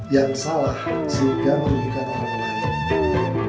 yang salah sudah menuliskan orang lain